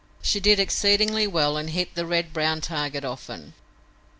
She did exceedingly well and hit the red brown target often.